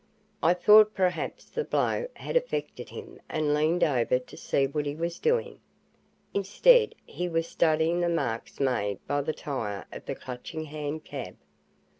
I thought perhaps the blow had affected him and leaned over to see what he was doing. Instead, he was studying the marks made by the tire of the Clutching Hand cab.